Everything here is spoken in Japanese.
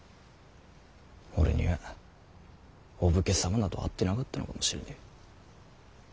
俺にはお武家様など合ってなかったのかもしれねぇ。